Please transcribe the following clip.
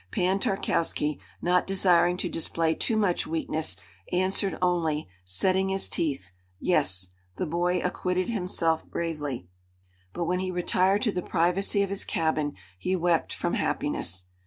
Pan Tarkowski, not desiring to display too much weakness, answered only, setting his teeth, "Yes! The boy acquitted himself bravely," but when he retired to the privacy of his cabin he wept from happiness.